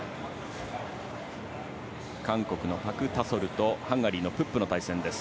韓国のパク・タソルとハンガリーのプップの対戦です。